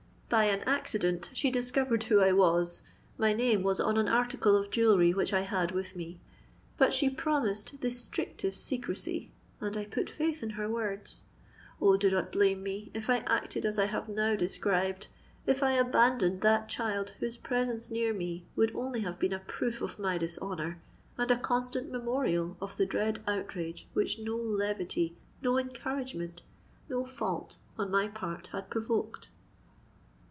By an accident she discovered who I was—my name was on an article of jewellery which I had with me. But she promised the strictest secrecy, and I put faith in her words. Oh! do not blame me, if I acted as I have now described—if I abandoned that child whose presence near me would only have been a proof of my dishonour, and a constant memorial of the dread outrage which no levity—no encouragement—no fault on my part had provoked!"